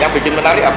yang bikin menarik apa